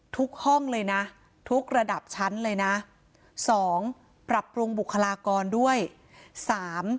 ห้องเลยนะทุกระดับชั้นเลยนะสองปรับปรุงบุคลากรด้วยสาม